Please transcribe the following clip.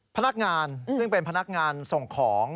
พนักงานซึ่งเป็นพนักงานส่งของ